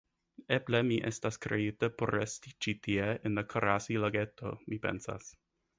Eble mi estas kreita por resti ĉi tie en la karasi-lageto, mi pensas.